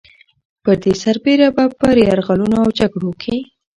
پر دې سربېره به په يرغلونو او جګړو کې